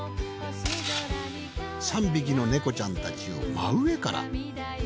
３匹のネコちゃんたちを真上から。